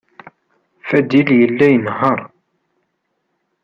Fadil yella inehheṛ.